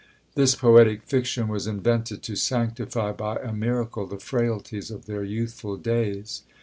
This poetic fiction was invented to sanctify, by a miracle, the frailties of their youthful days.